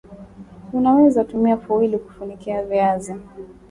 Unaweza tumia foili kufunikia viazi